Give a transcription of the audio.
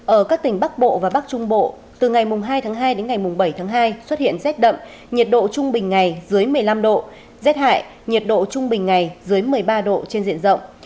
ở các tỉnh bắc bộ và bắc trung bộ từ ngày hai tháng hai đến ngày bảy tháng hai xuất hiện rét đậm nhiệt độ trung bình ngày dưới một mươi năm độ rét hại nhiệt độ trung bình ngày dưới một mươi ba độ trên diện rộng